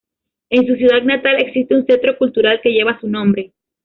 En su ciudad natal existe un centro cultural que lleva su nombre.